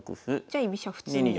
じゃあ居飛車普通に。